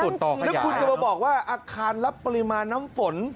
คือแล้วคุณจะมาบอกว่าอาคารรับปริมาณน้ำฝน